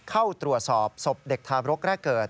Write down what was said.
เข้าตรวจสอบศพเด็กทารกแรกเกิด